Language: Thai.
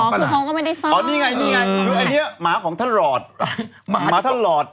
อันนี้ไงหมาของท่านหลอด